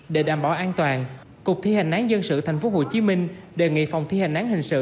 để đảm bảo an toàn cục thi hành án dân sự thành phố hồ chí minh đề nghị phòng thi hành án hình sự